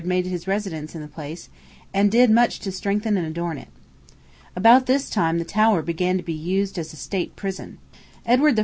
made his residence in this place, and did much to strengthen and adorn it. About this time the Tower began to be used as a state prison. Edward I.